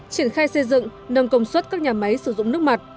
triển khai xây dựng nâng công suất các nhà máy sử dụng nước mặt